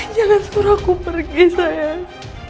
jangan suruh aku pergi sayang